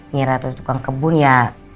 ngerasa tukang kebun ya